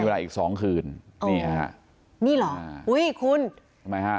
เวลาอีกสองคืนนี่ฮะนี่เหรออุ้ยคุณทำไมฮะ